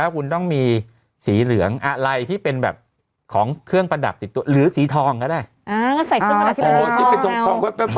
คุณต้องมีสีเหลืองอะไรที่เป็นแบบของเครื่องประดับติดตัวหรือสีทองก็ได้